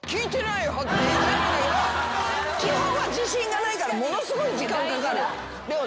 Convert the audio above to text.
基本は自信がないからものすごい時間かかる。